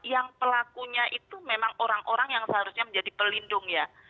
yang pelakunya itu memang orang orang yang seharusnya menjadi pelindung ya